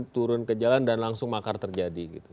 turun ke jalan dan langsung makar terjadi gitu